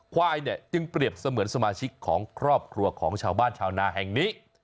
ควายเนี่ยจึงเปรียบเสมือนสมาชิกของครอบครัวของชาวบ้านชาวนาแห่งนี้